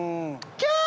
キャー！